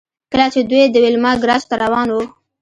کله چې دوی د ویلما ګراج ته روان وو